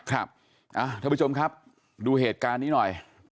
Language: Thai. ท่านผู้ชมครับดูเหตุการณ์นี้หน่อย